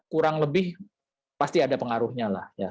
kurang lebih pasti ada pengaruhnya lah